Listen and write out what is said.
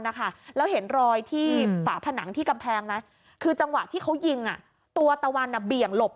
แล้วเห็นรอยที่ฝาผนังที่กำแพงไหมคือจังหวะที่เขายิงตัวตะวันเบี่ยงหลบ